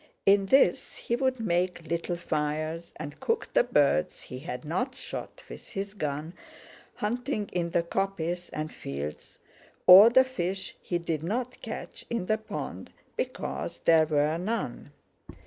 In this he would make little fires, and cook the birds he had not shot with his gun, hunting in the coppice and fields, or the fish he did not catch in the pond because there were none.